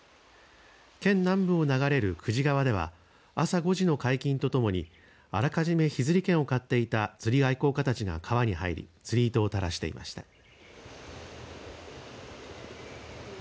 県南部を流れる久慈川では朝５時の解禁とともにあらかじめ日釣り券を買っていた釣り愛好家たちが川に入り釣り糸を垂らしていました。